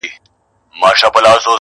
او پوره د خپلي میني مدعا کړي-